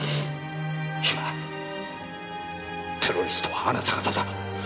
今テロリストはあなた方だ。